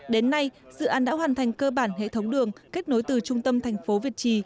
đến nay dự án đã hoàn thành cơ bản hệ thống đường kết nối từ trung tâm thành phố việt trì